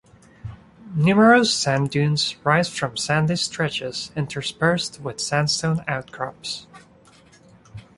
Numerous sand dunes rise from sandy stretches, interspersed with sandstone outcrops.